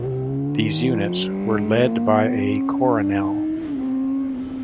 These units were led by a "coronel".